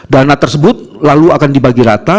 dana tersebut lalu akan dibagi rata